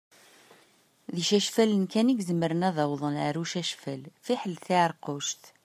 D icacfalen kan i izemren ad awḍen ar ucacfal, fiḥel tiεiṛkuct.